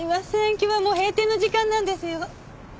今日はもう閉店の時間なんですよ。